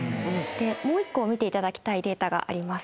もう１個見ていただきたいデータがあります